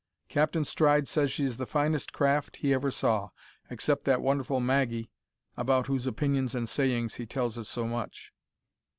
Captain Stride says she is the finest craft he ever saw, except that wonderful `Maggie,' about whose opinions and sayings he tells us so much.